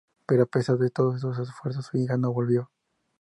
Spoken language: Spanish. Pero a pesar de todos sus esfuerzos, su hija no volvió.